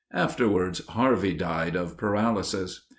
Afterwards, Harvey died of paralysis.